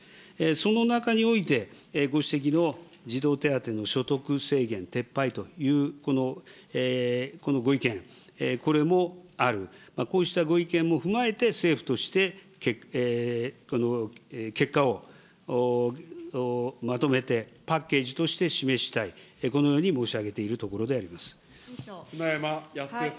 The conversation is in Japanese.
その中において、ご指摘の児童手当の所得制限撤廃という、このご意見、これもある、こうしたご意見も踏まえて政府として、結果をまとめて、パッケージとして示したい、このように申し上げているところであ舟山康江さん。